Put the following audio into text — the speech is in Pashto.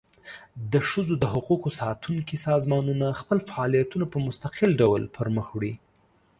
د ښځو د حقوقو ساتونکي سازمانونه خپل فعالیتونه په مستقل ډول پر مخ وړي.